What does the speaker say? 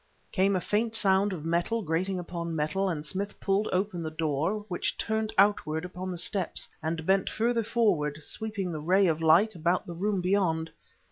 Came a faint sound of metal grating upon metal, and Smith pulled open the door, which turned outward upon the steps, and bent further forward, sweeping the ray of light about the room beyond.